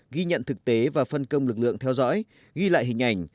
ghi nhận thực tế và phân công lực lượng theo dõi ghi lại hình ảnh